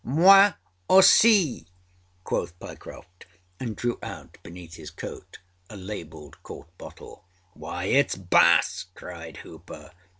â_Moi aussi_â quoth Pyecroft, and drew out beneath his coat a labelled quart bottle. âWhy, itâs Bass,â cried Hooper.